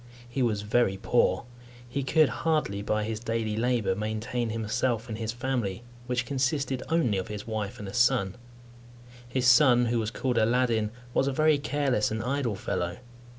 He was very poor. He could hardly, by his daily labour, maintain himself and his family, which consisted only of his wife and a son. His son, who was called Aladdin, was a very careless and idle fellow.